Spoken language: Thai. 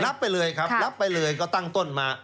รับไปเลยครับรับไปเลยก็ตั้งต้นมา